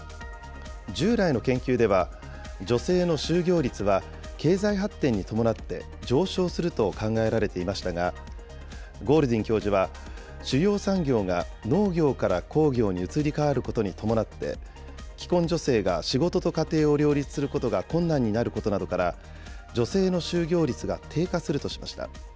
従来の研究では、女性の就業率は、経済発展に伴って上昇すると考えられていましたが、ゴールディン教授は、主要産業が農業から工業に移り変わることに伴って、既婚女性が仕事と家庭を両立することが困難になることなどから、女性の就業率が低下するとしました。